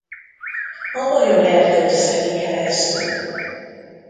A Bajor-erdőt szeli keresztül.